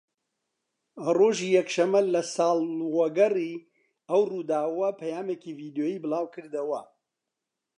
ڕۆژی یەکشەمە لە ساڵوەگەڕی ئەو ڕووداوە پەیامێکی ڤیدۆیی بڵاوکردەوە